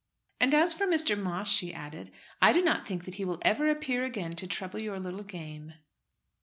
"And as for Mr. Moss," she added, "I do not think that he will ever appear again to trouble your little game."